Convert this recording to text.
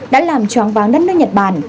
đã làm choáng váng đất nước nhật bản